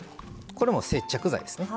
これも接着剤ですね。